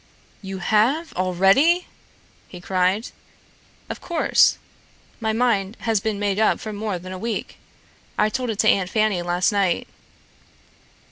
"You have already?" he cried. "Of course. My mind has been made up for more than a week. I told it to Aunt Fanny last night."